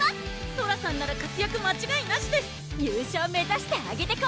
ソラさんなら活躍間違いなしです優勝目指してアゲてこ！